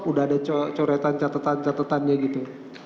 sudah ada coretan catetan catetannya gitu